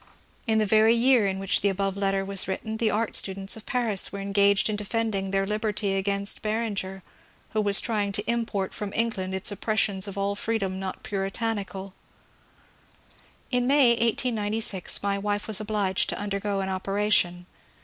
In the very year in which the above letter was written the art students of Paris were engaged in defending their liberty against Beren ger, who was trying to import from England its oppressions of all freedom not puritanicaL In May, 1896, my wife was obliged to undergo an operation.